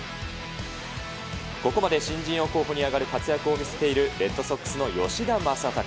ここまで新人王候補に挙がる活躍を見せているレッドソックスの吉田正尚。